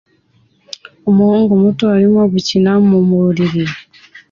Umuhungu muto arimo gukina mu buriri